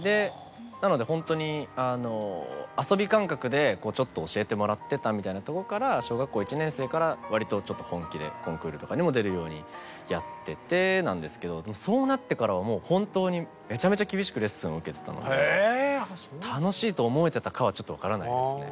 なのでほんとに遊び感覚でちょっと教えてもらってたみたいなとこから小学校１年生から割とちょっと本気でコンクールとかにも出るようにやっててなんですけどそうなってからは本当にめちゃめちゃ厳しくレッスンを受けてたので楽しいと思えてたかはちょっと分からないですね。